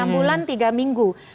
enam bulan tiga minggu